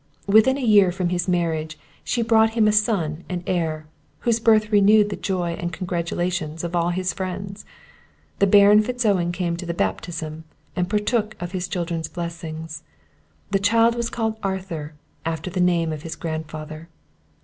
Within a year from his marriage she brought him a son and heir, whose birth renewed the joy and congratulations of all his friends. The Baron Fitz Owen came to the baptism, and partook of his children's blessings. The child was called Arthur, after the name of his grandfather.